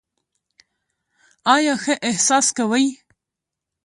ایا ښه احساس کوئ؟